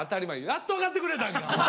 やっと分かってくれたんか！